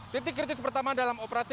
titik kritis pertama dalam operasi